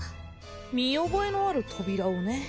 見覚えのある扉をね